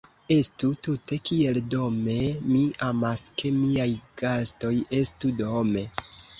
Estu tute kiel dome; mi amas, ke miaj gastoj estu dome!